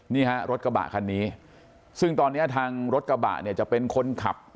นี่ฮะรถกระบะคันนี้ซึ่งตอนนี้ทางรถกระบะเนี่ยจะเป็นคนขับ